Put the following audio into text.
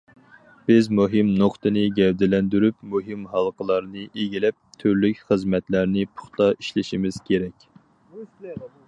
بىز مۇھىم نۇقتىنى گەۋدىلەندۈرۈپ، مۇھىم ھالقىلارنى ئىگىلەپ، تۈرلۈك خىزمەتلەرنى پۇختا ئىشلىشىمىز كېرەك.